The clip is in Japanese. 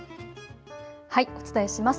お伝えします。